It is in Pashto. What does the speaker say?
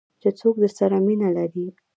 چې څوک درسره مینه لري .